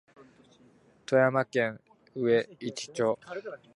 富山県上市町